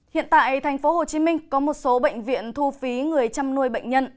hiện tại tp hcm có một số bệnh viện thu phí người chăm nuôi bệnh nhân